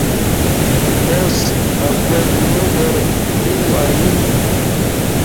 Bose bakwete mubela indu hayi.